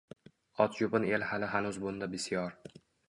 Och-yupun el hali hanuz bunda bisyor